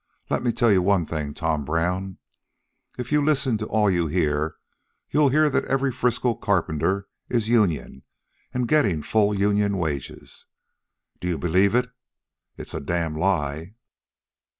Let me tell you one thing, Tom Brown, if you listen to all you hear you'll hear that every Frisco carpenter is union an' gettin' full union wages. Do you believe it? It's a damn lie.